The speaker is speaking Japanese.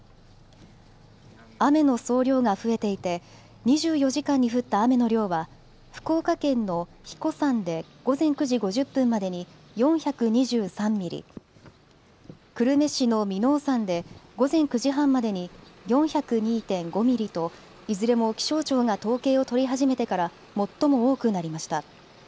雨の総量が増えていて２４時間に降った雨の量は福岡県の英彦山で午前９時５０分までに４２３ミリ、久留米市の耳納山で午前９時半までに４０２．５ミリといずれも気象庁が統計を取り始めてから最も多くなりました。